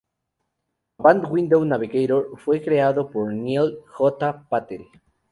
Avant Window Navigator fue creado por Neil J. Patel.